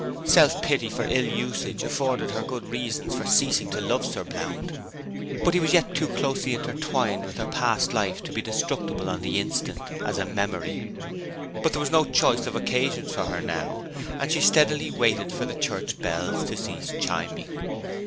Self pity for ill usage afforded her good reasons for ceasing to love Sir Blount; but he was yet too closely intertwined with her past life to be destructible on the instant as a memory. But there was no choice of occasions for her now, and she steadily waited for the church bells to cease chiming.